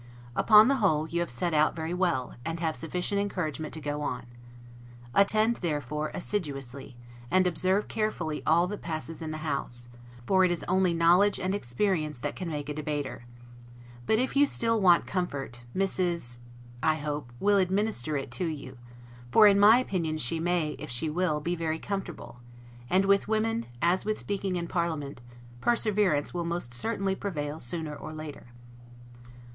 Upon the whole, you have set out very well, and have sufficient encouragement to go on. Attend; therefore, assiduously, and observe carefully all that passes in the House; for it is only knowledge and experience that can make a debater. But if you still want comfort, Mrs. I hope, will administer it to you; for, in my opinion she may, if she will, be very comfortable; and with women, as with speaking in parliament, perseverance will most certainly prevail sooner or later.